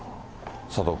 佐藤君。